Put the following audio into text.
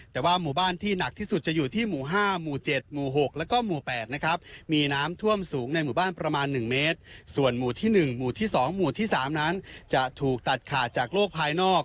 แต่ว่าหมู่บ้านที่หนักที่สุดจะอยู่ที่หมู่๕หมู่๗หมู่๖แล้วก็หมู่๘นะครับมีน้ำท่วมสูงในหมู่บ้านประมาณ๑เมตรส่วนหมู่ที่๑หมู่ที่๒หมู่ที่๓นั้นจะถูกตัดขาดจากโลกภายนอก